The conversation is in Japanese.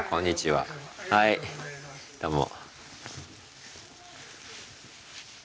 はいどうも。